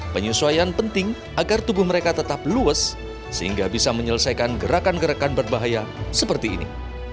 penyesuaian penting agar tubuh mereka tetap luwes sehingga bisa menyelesaikan gerakan gerakan berbahaya seperti ini